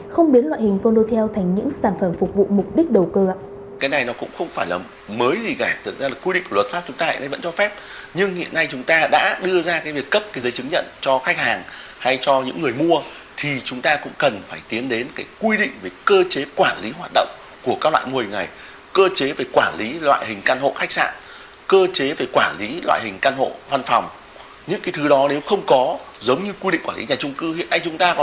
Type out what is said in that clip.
không biến loại hình condo theo thành những sản phẩm phục vụ mục đích đầu cơ